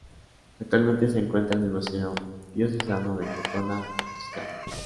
Actualmente se encuentra en el Museo Diocesano de Cortona, Toscana.